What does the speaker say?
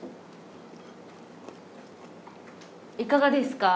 いかがですか？